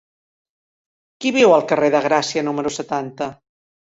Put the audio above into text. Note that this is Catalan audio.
Qui viu al carrer de Gràcia número setanta?